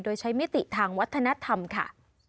โดยใช้มิติทางวัฒนธรรมค่ะ